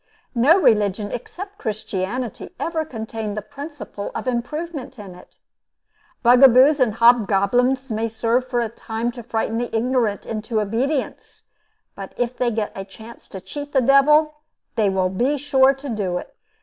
No religion except Christianity ever contained the principle of improvement in it. Bugaboos and hob goblins may serve for a time to frighten the ignorant into obedience; but if they get a chance to cheat the devil, they will be sure to do it.